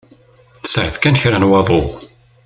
Tesεiḍ kan kra n waḍu.